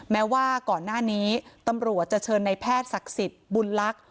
แม้ว่าก่อนหน้านี้ตำรวจจะเชิญในแพทย์ศักดิ์สิทธิ์บุญลักษณ